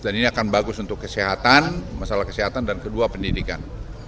dan ini akan bagus untuk kesehatan masalah kesehatan dan kedua pendidikan